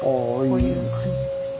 こういう感じです。